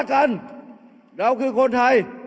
เอาข้างหลังลงซ้าย